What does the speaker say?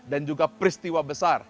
dan juga peristiwa besar